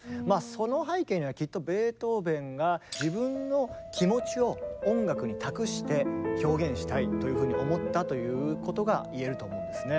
その背景にはきっとベートーベンが自分の気持ちを音楽に託して表現したいというふうに思ったということが言えると思うんですね。